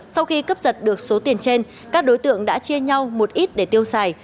sau khi cướp giật được số tiền trên các đối tượng đã chia nhau một ít để tiêu xài